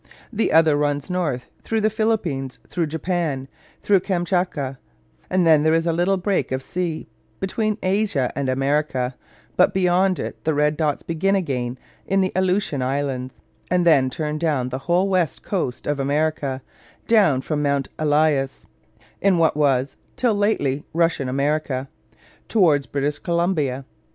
The other runs north, through the Philippines, through Japan, through Kamschatka; and then there is a little break of sea, between Asia and America: but beyond it, the red dots begin again in the Aleutian Islands, and then turn down the whole west coast of America, down from Mount Elias (in what was, till lately, Russian America) towards British Columbia.